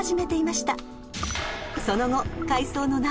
［その後］